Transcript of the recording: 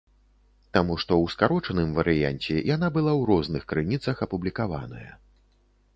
Таму што ў скарочаным варыянце яна была ў розных крыніцах апублікаваная.